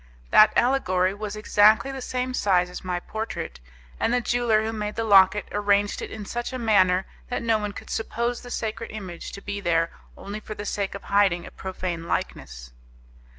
That allegory was exactly of the same size as my portrait, and the jeweller who made the locket arranged it in such a manner that no one could suppose the sacred image to be there only for the sake of hiding a profane likeness.